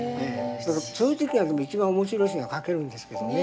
そういう時は一番面白い詩が書けるんですけどね。